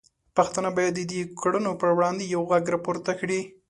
پښتانه باید د دې کړنو پر وړاندې یو غږ راپورته کړي.